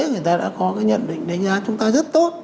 người ta đã có cái nhận định đánh giá chúng ta rất tốt